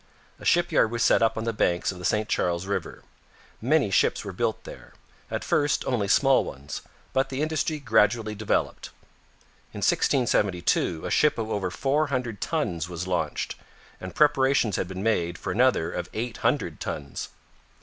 A shipyard was set up on the banks of the St Charles river. Many ships were built there; at first only small ones, but the industry gradually developed. In 1672 a ship of over four hundred tons was launched, and preparations had been made for another of eight hundred tons.